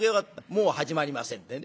もう始まりませんでね。